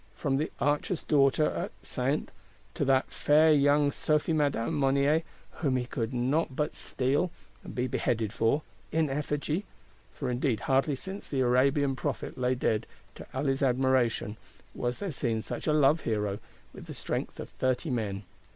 From the Archer's Daughter at Saintes to that fair young Sophie Madame Monnier, whom he could not but "steal," and be beheaded for—in effigy! For indeed hardly since the Arabian Prophet lay dead to Ali's admiration, was there seen such a Love hero, with the strength of thirty men.